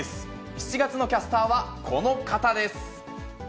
７月のキャスターはこの方です。